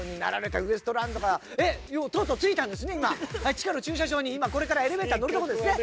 地下の駐車場に今これからエレベーター乗るとこですね。